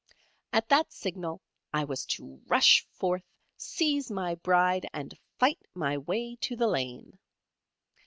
At that signal I was to rush forth, seize my Bride, and fight my way to the lane.